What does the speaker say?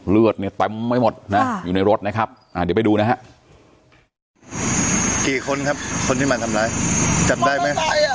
เลือดเนี้ยเต็มไม่หมดนะอ่าอยู่ในรถนะครับอ่าเดี๋ยวไปดูนะฮะ